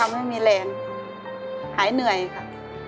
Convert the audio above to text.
ค่ะทำให้มีแรงหายเหนื่อยค่ะ